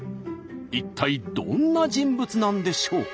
一体どんな人物なんでしょうか？